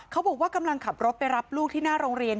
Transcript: เขาบอกว่ากำลังขับรถไปรับลูกที่หน้าโรงเรียน